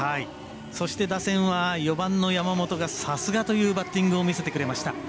そして打線は４番の山本がさすがというバッティングを見せてくれました。